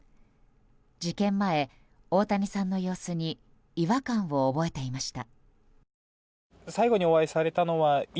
事件前、大谷さんの様子に違和感を覚えていました。